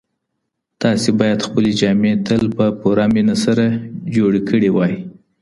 تاسي باید خپلي جامې تل په پوره مینه سره جوړي کړې وای.